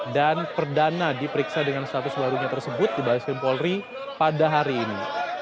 dan perdana diperiksa dengan status selarunya tersebut di barat skrim polri pada hari ini